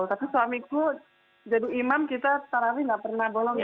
tapi suamiku jadi imam kita tarawih nggak pernah bolong ya